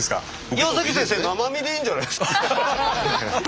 岩先生生身でいいんじゃないですか？